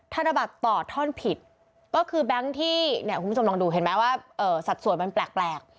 ธนบัตรต่อท่อนผิดก็คือแบงค์ที่เนี่ยคุณผู้ชมลองดูเห็นไหมว่าสัดส่วนมันแปลก